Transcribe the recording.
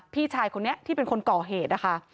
พี่ชายคนนี้ที่เป็นคนก่อเหตุนะคะ